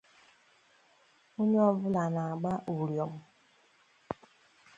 Onye ọbụla na-agba ụrịọm